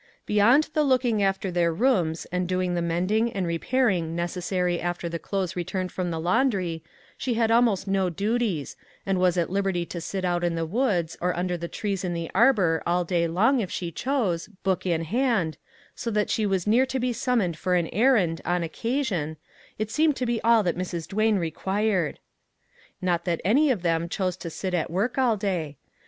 Beyond the looking after their rooms and do ing the mending and repairing necessary after the clothes returned from the laundry, she had almost no duties, and was at liberty to sit out in the woods or under the trees in the arbor all day long, if she choose, book in hand, so that she was near to be summoned for an errand, on occasion, it seemed to be all that Mrs. Duane required. Not that any of them chose to sit at work all day.